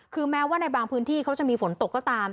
คือแม้ว่าในบางพื้นที่เขาจะมีฝนตกก็ตาม